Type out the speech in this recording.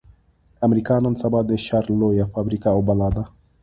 امريکا نن سبا د شر لويه فابريکه او بلا ده.